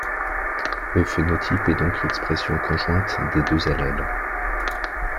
Le phénotype est donc l'expression conjointe des deux allèles.